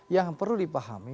yang perlu dipahami